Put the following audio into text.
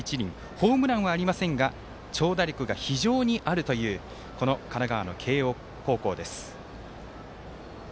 ホームランはありませんが長打力が非常にあるという神奈川の慶応高校です。